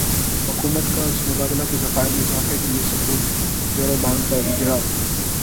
حکومت کازر مبادلہ کے ذخائر میں اضافے کےلیے سکوک یورو بانڈزکا اجراء